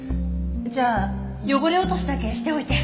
じゃあ汚れ落としだけしておいて。